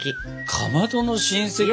かまどの親戚で？